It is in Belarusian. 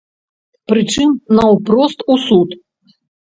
Прычым, наўпрост у суд.